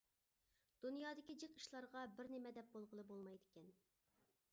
دۇنيادىكى جىق ئىشلارغا بىر نېمە دەپ بولغىلى بولمايدىكەن.